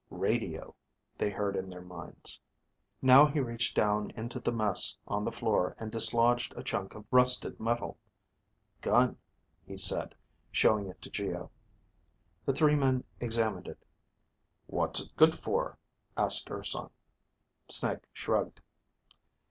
Radio ... they heard in their minds. Now he reached down into the mess on the floor and dislodged a chunk of rusted metal. Gun, he said, showing it to Geo. The three men examined it. "What's it good for?" asked Urson. Snake shrugged.